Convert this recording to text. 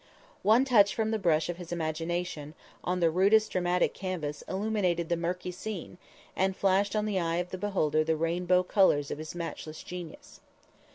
One touch from the brush of his imagination on the rudest dramatic canvas illuminated the murky scene and flashed on the eye of the beholder the rainbow colors of his matchless genius.